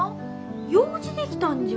用事できたんじゃ。